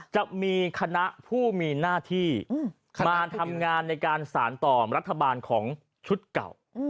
จะมีคณะผู้มีหน้าที่มาทำงานในการสารต่อรัฐบาลของชุดเก่า